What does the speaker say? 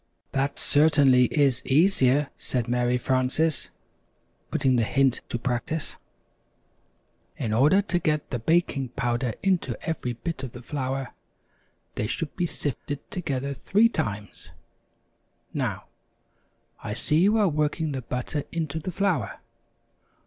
"That certainly is easier," said Mary Frances, putting the hint to practice. [Illustration: "Poured into the sifter again and again"] "In order to get the baking powder into every bit of the flour, they should be sifted together three times. Now, I see you are working the butter into the flour.